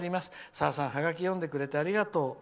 さださん、ハガキ読んでくれてありがとう」。